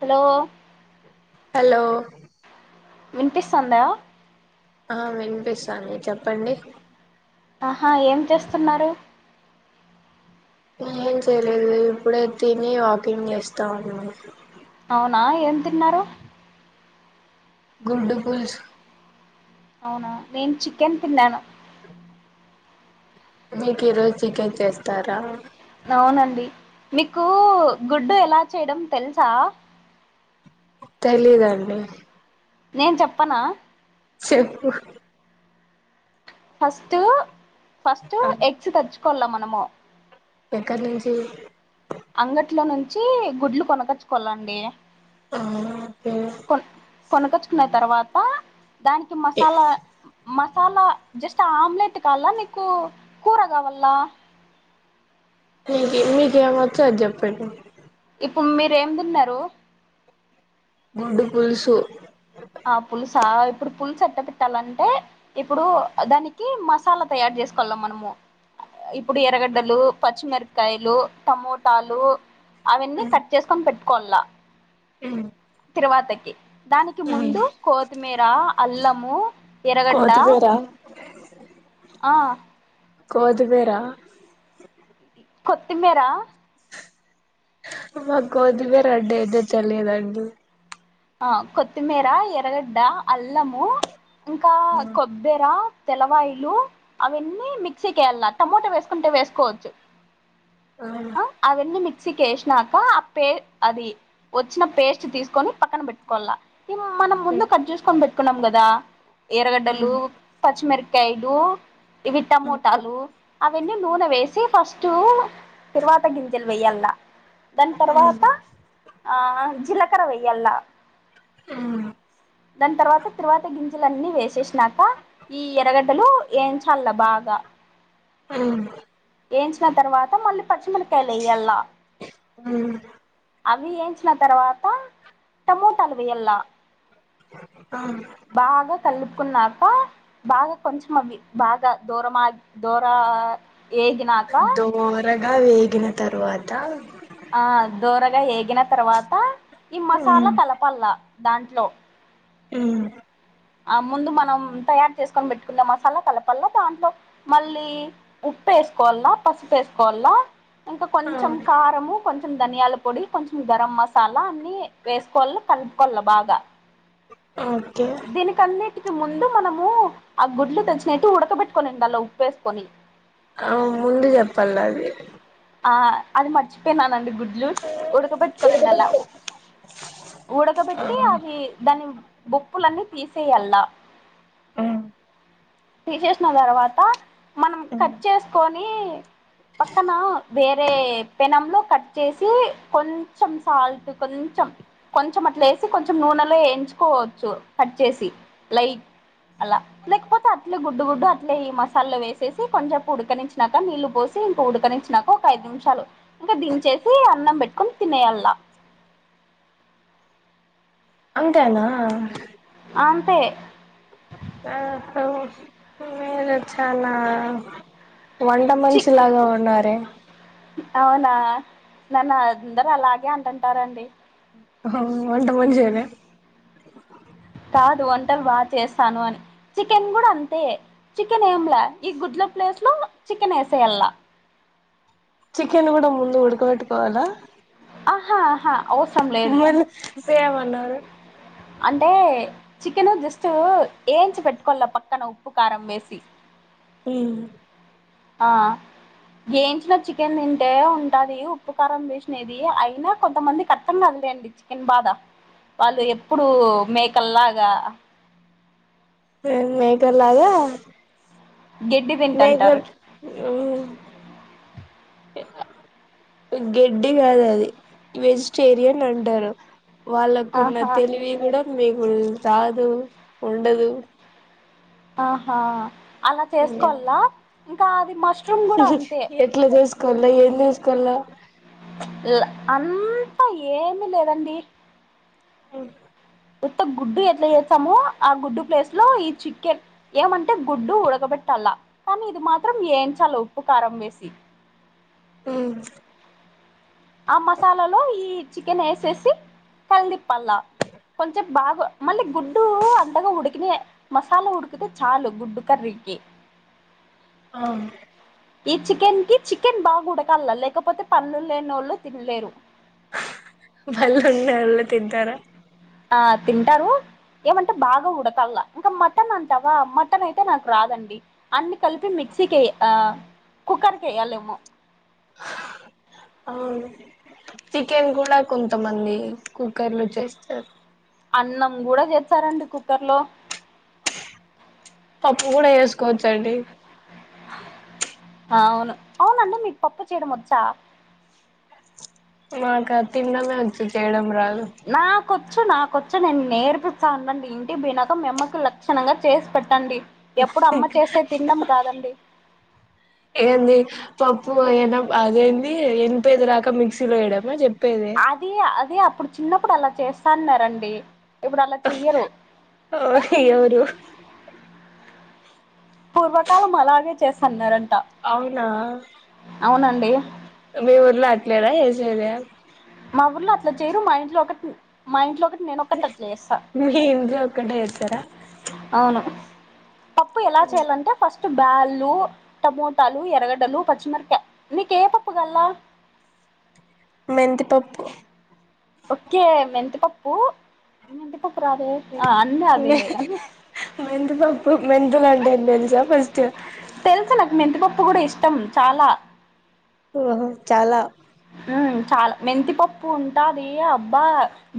Hello hello వినిపిస్తుందా? ఆ వినిపిస్తాంది చెప్పండి. ఆహా. ఏం చేస్తున్నారు? నేను ఏం చేయలేదు. ఇప్పుడే తిని వాకింగ్ చేస్తా ఉన్నాను. అవునా. ఏం తిన్నారు? గుడ్డుపుల్స్ అవునా, నేన్ చికెన్ తిన్నాను. మీకు ఈ రోజు చికెన్ చేస్తారా? అవునండి. మీకు గుడ్డు ఎలా చేయడం తెలుసా? తెలిదండి. నేను చెప్పనా. చెప్పు ఫస్ట్ ఫస్ట్ ఎగ్స్ తెచ్చుకోవాల మనము. ఎక్కడ నుంచి. అంగట్లో నుంచి గుడ్లు కొనకచ్చుకోవాలండి. అ ఓకే కొనుకచ్చుకున్న తర్వాత దానికి masala masala just omelette కావాలా నీకు, కూర కావాల్లా. మీకి మీకేమొచ్చో అది చెప్పండి. ఇప్పుడు మీరు ఏం తిన్నరు? గుడ్డు పులుసు. ఆ పులుసా ఇప్పుడు పులుసు ఎట్ట పెట్టాలంటే ఇప్పుడు దానికి మసాలా తయారు చేసుకోవల మనము. ఇప్పుడు ఎర్రగడ్డలు, పచ్చిమిరకాయలు టమోటాలు అవన్నీ కట్ చేసుకొని పెట్టుకోవల్లా. హ్ తర్వాతకి దా నికి ముందు కోతిమీర, అల్లము, ఎర్రగడ్డ కోతిమీర ఆ కోతిమీరా కొత్తిమీర. మాకు కోతిమీర అంటే ఎంటో తెలియదండి. ఆ కొత్తిమీర, ఎర్రగడ్డ, అల్లము ఇంకా కొబ్బెర తెల్లవాయిల్లు అవన్నీ మిక్సీకేయాల్లా టమోటా వేసుకుంటే వేసుకోవచ్చు. ఆ అవన్ని మి క్సికేశినాక ఆ పే అది వచ్చిన పేస్ట్ తీసుకొని పక్కన పెట్టుకోవాల్లా. కిమనం ముందు కట్ చేసుకొని పెట్టుకున్నాం కదా ఎర్రగడ్డలు, పచ్చిమిర కాయలు ఇవి టమోటాలు అవన్నీ నూనె వేసి ఫస్ టు తరువాత గింజెలు వెయ్యాల్లా దాని తర్వాత ఆ జీలకర్ర వెయ్యాల్లా. దాని తర్వాత తరువాత గిం జలన్నీ వేసేశినాక ఈ ఎర్రగడ్డలు యేంచాల్లా బాగా. ఎయించిన తర్వాత మళ్ళి పచ్చిమిరకాయలు ఎయ్యళ్ళా. హ్ అవి ఎయించిన తర్వాత టమోటాలు వేయల్లా. అవును కున్నాక బాగా కొంచెం అవి, బాగా దూరమా దూర ఏగినాక ఇలా వేగిన తరువాత ఆ దోరగా ఏగిన తర్వాత, ఈ ఉమ్ మసాలా కలపల్ల దాంట్లో ఉమ్ ఆ ముందు మనం తయారు చేసుకొని పెట్టుకునే మసాలా కలపల్లా, దాంట్లో మళ్ళీ ఉప్ వేసుకోవల్ల, పసుపేసుకోవల్ల ఇంకా ఆ కొంచెం కారము కొంచెం ధనియాల పొడి, కొంచెం గరం మసాలా అన్ని వేసుకోవల్ల, కలుపుకోవల్ల బాగా. ఓకే దీనికన్నిటికి ముందు మనము ఆ గుడ్లు తెచ్చినట్టు ఉడకబెట్టునిండల్లా ఉప్పు ఏసుకొని. ఆ ముందు చెప్పాల అది. ఆ అది మర్చిపోయినానండి, గుడ్ జు ఉడకబెట్టుకోనండి అలా ఉ ఆ ఉడకబెట్టి ఉమ్ అవి దాన్ని బుప్పులన్నీ తీసేయల్లా, తీసేసిన తర్వా మనం ఉమ్ కట్ చేసుకొని పక్కన వేరే పెనంలో కట్ చేసి కొంచెం సాల్ట్, కొంచెం కొంచెం అట్లే ఏసి కొంచెం నూనెలో వేయించుకోవచ్చు, కట్ చేసి లైక్ అలా లేక్పోతే అట్నే గుడ్డు గుడ్డు అట్లే ఈ మసాలా వేసేసి కొంచెపు ఉడకనించాక నీళ్ళలు పోసి, ఇంక ఉడకనించినాక ఒక ఐదు నిమిషాలు, ఇంకా దించేసి అన్నం పెట్టుకొని తినేయళ్లా. అంతే అండి ఆ పే ఆపు మీరు చాలా వంట చి మనిషి లాగే ఉన్నారే. అవునా, నన్ను అందరు అలాగే అంటుంటారండి. వంట మనిషనా. కాదు వంటలు బాగా చేస్తాను అని, చికెన్ గుడ అంతే చికెన్ ఏంలా, ఈ గుడ్ల ప్లేస్ లో చికెన్ ఎసేయల్లా. చికెన్ కూడా ముందు ఉడకబెట్టుకోవాలా? ఆహ ఆహ మీ వోళ్లు సేమ్ ఉన్నారు. అంటే చికెను జస్ట్ ఏయించి పెట్టుకోల్ల పక్కన ఉప్పు కారం వేసి. ఉమ్ ఆ ఏయించిన చికెన్ తింటే ఉంటాది ఉప్పు కారం వేసినది, అయినా కొంతమందికి అర్థం కాదు అండి చికెన్ బాధ, వాళ్ళు ఎప్పుడు మేకల్లాగా సేమ్ మేకల్లాగ గడ్డి తింట ఉంటారు. గడ్డి కాదది వెజిటేరియన్ అంటారు. వాళ్ళకున్న ఆహా తెలివి గుడ మీకు రాదు, ఉండదు. ఆహా అలా చేసుకోవల్ల, ఇంకా అది మర్ ఎట్లా చేసుకోవాలా ఏం చేసుకోవాలా అంతా ఏమి లేదండి ఉ ఉత్త గుడ్డు ఎట్లా చేస్తామో ఆ గుడ్డు ప్లేస్ లో ఈ చికెన్ ఏమంటే గుడ్డు ఉడకబెట్టి కల్ల కానీ ఇది మాత్రం ఏంచాల ఉప్పుకారం వేసి ఊ ఆ మసాలాలో ఈ చికెన్ వేసేసి కలిదిపల్లా కొంచెం బాగా మళ్ళీ గుడ్డు అంతగా ఉడికితే మసాలా ఉడికితే చాలు గుడ్డు కర్రీ కి ఆ ఈ చికెన్ కి చికెన్ బాగా ఉడకల్ల లేకపోతే పళ్లు లేని వాళ్ళు తినలేరు ఆ పళ్ళు ఉన్నవాళ్లే తింటారా ఆ తింటారు ఏమంటే బాగా ఉడకాల ఇంకా మటన్ అంటావా మటన్ అయితే నాకు రాదండి అన్ని కలిపి మి మిక్సీకే కుక్కర్ కె వెయ్యాలో ఏమో చికెన్ కూడా కొంతమంది కుక్కర్ లో చేస్తారు అన్నం కూడా చేస్తారండి కుక్కర్ లో పప్పు కూడా వేసుకోవచ్చండి అవును అవునండి మీకు పప్పు చేయడం వచ్చా మాకు తిండమే వచ్చు చేయడం రాదు నా కొచ్చు నా వచ్చు నేను నేర్పిస్తాను అనండి ఇంటి పోయినాకా మీ అమ్మకి లక్షణంగా చేసి పెట్టండి ఎప్పుడు అమ్మ చేస్తే తిన్నాం కాదండి ఏంది పప్పు ఏనా అదే ఎంత వెయ్యాలో రాక మిక్సీలో వేయడమే చెప్పా అది అది అప్పుడు చిన్నప్పుడు అలా చేస్తాన్నారండి ఇప్పుడు అలా చెయ్యరు ఓ ఎవరు పూర్వకాలం అలాగే చేస్తున్నారంట అవునా మీ ఊర్లో అట్లేన చేసేది మా ఊర్లో అట్లా చేరు మా ఇంట్లో ఒకటి మా ఇంట్లో ఒకటి నేను ఒకటి అట్ల చేస్తా మీ ఇంట్లో ఒక్కటే చేస్తారా అవును పప్పు ఎలా చేయాలంటే ఫస్ట్ బ్యాలు టమోటాలు ఎరగడలు పచ్చిమిరకాయ నీకు ఏ పప్పు కాళ్ళ ఏ మెంతిపప్పు ఒకే మెంతీ పప్పు మెంతీపప్పు రాదే అన్ని అవేలేగాని మెంతి పప్పు మెంతులంటే ఎంటో తెలుసా ఫస్ట్ పప్పు కూడా ఇష్టం చాలా ఓహో చాలా ఉ చాలా మెంతిపప్పు ఉంటాది అబ్బా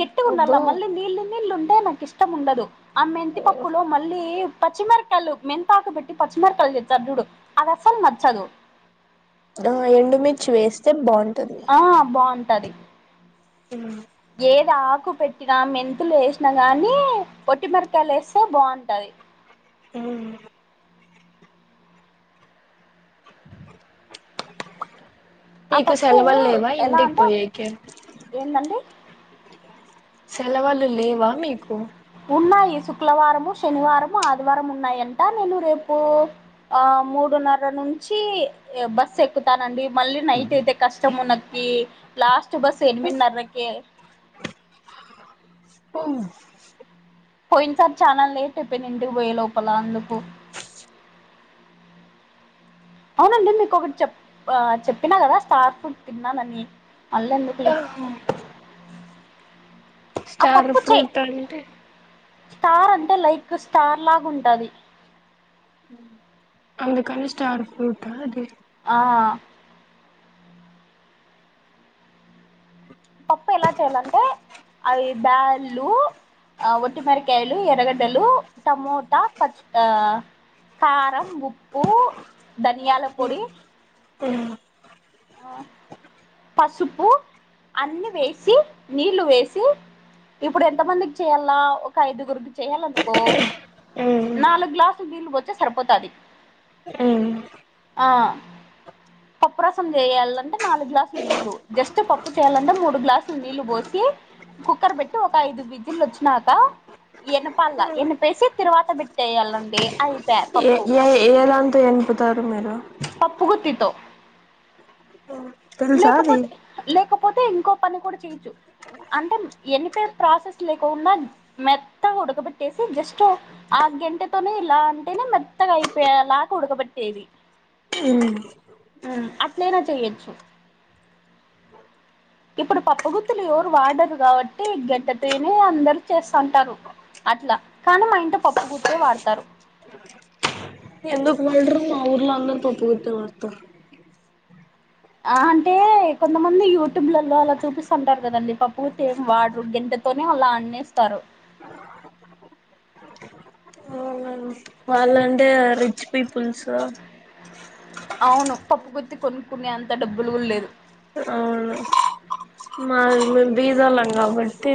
గట్టి గా అబ్బో ఉండాల మళ్ళీ నీళ్ళు నీళ్ళు ఉంటే నాకు ఇష్టం ఉండదు ఆ మెంతిపప్పులో మళ్ళీ పచ్చిమిరపకాయలు మెంతాకు పెట్టి పచ్చిమరకలు చేస్తారు చూడు అది అసలు నచ్చదు ఆ ఎండుమిర్చి వేస్తే బాగుంటుంది ఆ బావుంటది ఉమ్ ఏది ఆకు పెట్టినా మెంతులు వేసినా గానీ ఒట్టి మిరకాయలు ఎస్తే బావుంటది హ్మ్ ఆ నీకు పప్పు సెలవులు లేవా ఎలా ఇంటికి అంటే పోయేకి ఏందండి సెలవులు లేవా మీకు శుక్లవారము శనివారము ఆదివారం ఉన్నాయంట నేను రేపు ఆ మూడున్నర నుంచి బస్ ఎక్కుతానండి మళ్ళీ నైట్ అయితే కష్టము నకి కీ లాస్ట్ బస్సు ఎనిమిదినరకే మ్ పోయిన సారి చాలా లేట్ అయిపోయిన ఇంటికి పోయే లోపల అందుకు అవునండి మీకు ఒకటి చెప్ ఆ చెప్పినా కదా స్టార్ ఫ్రూట్ తిన్నానని మళ్ళీ య ఎందుకులే హు ఆ పప్పు చేయ్ ఫ్రూట్ అంటే స్టార్ అంటే లైక్ స్టార్లాగుంటంది అందుకని స్టార్ ఫ్రూటా అది ఆ పప్పు ఎలా చేయాలంటే అవి బ్యాళ్ళు ఆ ఒట్టి మిరకాయలు ఎర్రగడ్డలు టమోటా పచ్ ఆ కారం ఉప్పు ధనియాల పొడి తెలిద్ ఆ పసుపు అన్ని వేసి నీళ్ళు వేసి ఇప్పుడు ఎంత మందికి చెయ్యాల ఒక ఐదుగురుకి చెయ్యాలనుకో ఉమ్ నాలుగు గ్లాసులు నీళ్లు బోత్తే సరిపోతది ఆ ప పప్పురసం చేయాలంటే నాలుగు గ్లాసులు నీళ్లు జస్ట్ పప్పు చేయ్యాలంటే మూడు గ్లాసులు నీళ్ళు బోసి కుక్కర్ పెట్టి ఒక ఐదు విజిల్లు వచ్చినాక ఎనపాల ఎనిపేసి తిరువాత బెట్టేయ్యాలండి అయి ఏ ఏ ఏలాంత ఎన్పుతారు మీరు పప్పు గుత్తితో తెలుసా అది లేకపోతే లేకపోతే ఇంకో పని కూడా చేయచ్చు అంటే ఎనిపేయ్ ప్రాసెస్ లేకొకున్న మెత్తగా ఉడకబెట్టేసి జస్ట్ ఆ గెంటెతోనే ఇలా అంటేనే మెత్తగా అయిపోయెలగ ఉడకబెట్టేది హ్మ్ మ్ అట్లైనా చెయ్యొచ్చు ఇప్పుడు పప్పుగుత్తులు ఎవరు వాడరు కాబట్టి గెడ్డతేనే అందరు చేస్తఉంటారు అట్లా కానీ మా ఇంట పప్పు గుత్తే వాడతారు ఎందుకు వెళ్ళరు మా ఊర్లో అందరు పప్పుగుత్తే వాడతరు ఆ అంటే కొంతమంది యూట్యూబ్లల్లో అలా చూపిస్తంటారు కదండి పప్పు గుత్తి ఏం వాడరు గెంటె తోనే అల అన్నేస్తారు వాళ్ళు అంటే రిచ్ పీపుల్సు అవును పప్పు గుత్తి కొనుక్కునే అంత డబ్బులు గూడ లేదు అవును మా మేమ్ బీదొలం కాబట్టి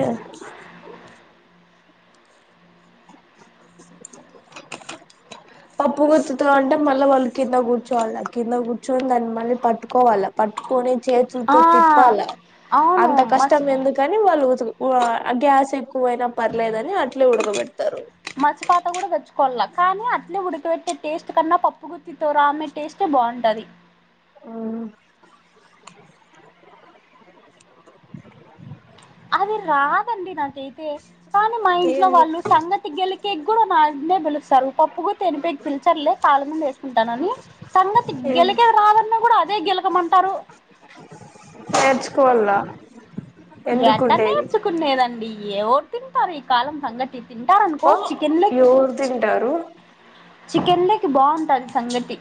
పప్పు గుర్తుతులు అంటే మళ్ళ వాళ్ళు కింద కూర్చోవాలి కింద కూర్చొని దాన్ని మళ్ళ పట్టుకోవాల పట్టుకొని ఆ చేతుల్తో తిప్పాల అవును అంత కష్టం మసి ఎందుకని వాళ్ళు ఉతుక్ ఊ ఆ గ్యాస్ ఎక్కువైనా పర్లేదని అట్లే ఉడకబెడత మచ్ పాత్ అట కూడా తెచ్చుకోవాల కానీ అట్లే ఉడికిబెట్టే టేస్ట్ కన్నా పప్పుగుత్తితో రామే టేస్టే బాగుంటది ఊ అది రాదండి నాకైతే కానీ మా ఇంట్లో ఏం వాళ్ళు సంగతి గెలి కేక్ కూడా నన్నే పిలుస్తారు పప్పు కుడ్ తెనిపెకి పిలిచర్లే కాళ్ మీన వేసుకుంటానని సంగటి గెలకేది రాదన్న కూడా అదే గెలకమంటారు నేర్చుకోవల ఎట్ట నేర్చుకునేదండి ఏవరు తింటారు ఈ కాలం సంగటి తి తింటారన్కో ఓ చికెన్లేగ్ ఎవరు చి తింటారు చికెన్లేగ్ బాగుంటాది సంగటి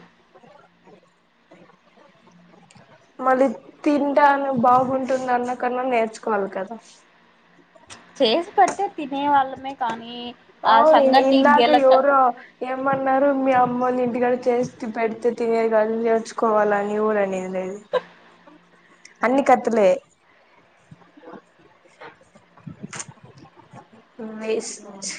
మళ్ళీ తింటాను బాగుంటుంది అన్నకన్నా నేర్చుకోవాలి కదా చేసి పెడితే తినే వాళ్ళమే కానీ ఆ ఇ సంగటి ఇందకా గెలక ఎవరో ఏమన్నారు మీ అమ్ అమ్మొళ్ల ఇంటికాడ చేస్త పెడితే తినేది కాదు నేర్చుకోవాల అని కూడా అనేది లేదు అన్ని కత్తులే ఆ ఎస్ చ